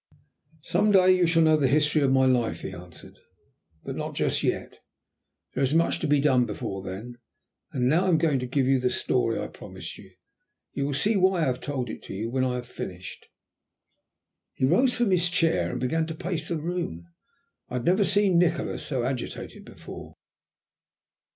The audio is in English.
"Some day you shall know the history of my life," he answered. "But not just yet. There is much to be done before then. And now I am going to give you the story I promised you. You will see why I have told it to you when I have finished." He rose from his chair and began to pace the room. I had never seen Nikola so agitated before.